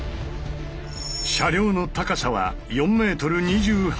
車両の高さは４ｍ２８ｃｍ。